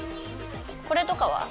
これとかは？